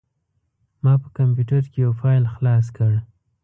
ما په کمپوټر کې یو فایل خلاص کړ.